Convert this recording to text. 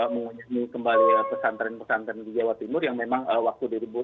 mengunjungi kembali pesantren pesantren di jawa timur yang memang waktu dua ribu dua puluh